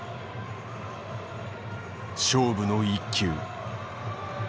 勝負の一球。